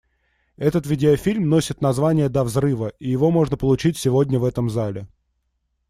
Этот видеофильм носит название «До взрыва», и его можно получить сегодня в этом зале.